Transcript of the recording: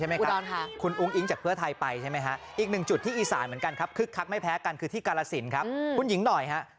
เหตุการณ์ในปัจจุบันพี่น้องเป็นนี่สินกันเยอะ